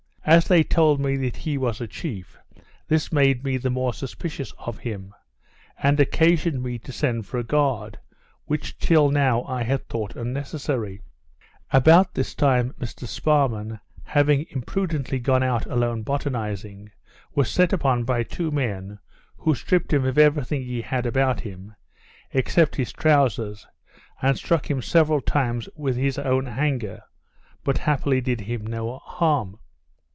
As they told me that he was a chief, this made me the more suspicious of him, and occasioned me to send for a guard, which till now I had thought unnecessary. About this time, Mr Sparrman, having imprudently gone out alone botanizing, was set upon by two men, who stripped him of every thing he had about him, except his trowsers, and struck him several times with his own hanger, but happily did him no harm.